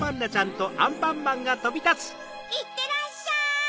いってらっしゃい！